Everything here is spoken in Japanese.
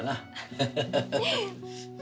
ハハハハ！